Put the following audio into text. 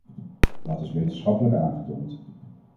Dat is wetenschappelijk aangetoond.